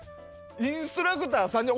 インストラクターさんに。